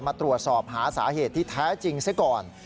มาตรวจสอบหาสาเหตุที่แท้จริงซะก่อน